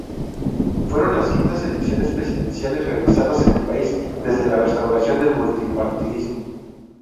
Fueron las quintas elecciones presidenciales realizadas en el país desde la restauración del multipartidismo.